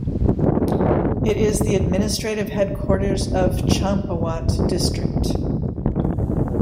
It is the administrative headquarters of Champawat district.